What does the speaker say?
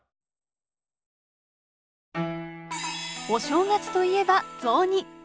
お正月といえば雑煮！